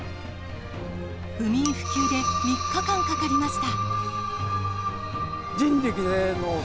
不眠不休で３日間かかりました。